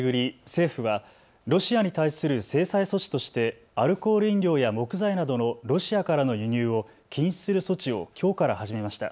政府はロシアに対する制裁措置としてアルコール飲料や木材などのロシアからの輸入を禁止する措置をきょうから始めました。